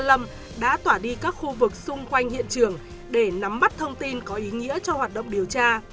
lâm đã tỏa đi các khu vực xung quanh hiện trường để nắm bắt thông tin có ý nghĩa cho hoạt động điều tra